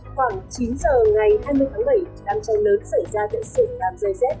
khoảng chín h ngày hai mươi tháng bảy đám cháy lớn xảy ra tại sự phạm dây dết